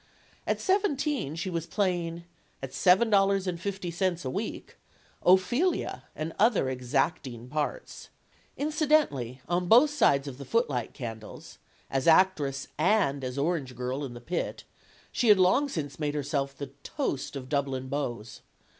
At seventeen, she was playing at seven dollars and fifty cents a week Ophelia and other exacting parts. 44 STORIES OF THE SUPER WOMEN Incidentally, on both sides of the footlight candles as actress and as orange girl in the pit she had long since made herself the toast of the Dublin beaux.